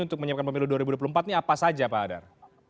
untuk menyiapkan pemilu dua ribu dua puluh empat ini apa saja pak hadar